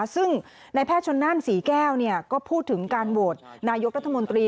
ซึ่งในแพทย์ชนนั่นศรีแก้วก็พูดถึงการโหวตนายกรัฐมนตรี